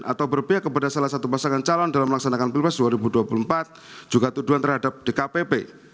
atau berpihak kepada salah satu pasangan calon dalam melaksanakan pilpres dua ribu dua puluh empat juga tuduhan terhadap dkpp